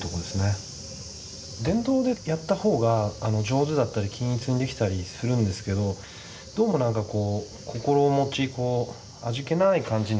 電動でやった方が上手だったり均一にできたりするんですけどどうも何かこうこころもち味気ない感じになっちゃうんですよね。